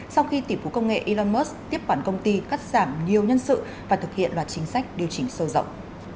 sau khi tỷ phú công nghệ elon musk tiếp quản công ty cắt giảm nhiều nhân sự và thực hiện loạt chính sách điều chỉnh sâu rộng